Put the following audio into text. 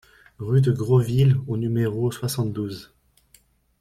Rue de Grosville au numéro soixante-douze